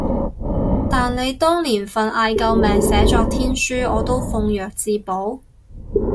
但你當年份嗌救命寫作天書，我都奉若至寶